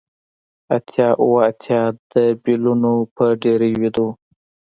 اتیا اوه اتیا د بیلونو په ډیرۍ ویده و